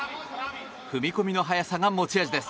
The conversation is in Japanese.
踏み込みの速さが持ち味です。